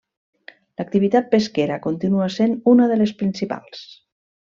L'activitat pesquera continua sent una de les principals.